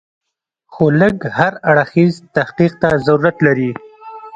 خو لږ هر اړخیز تحقیق ته ضرورت لري.